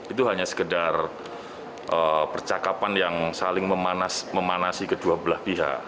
itu hanya sekedar percakapan yang saling memanasi kedua belah pihak